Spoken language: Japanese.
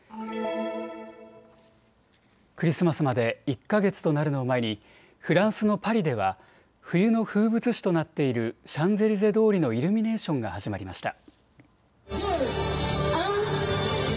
クリスマスまで１か月となるのを前にフランスのパリでは冬の風物詩となっているシャンゼリゼ通りのイルミネーションが始まりました。